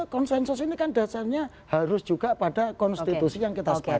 konsensus ini kan dasarnya harus juga pada konstitusi yang kita sepakati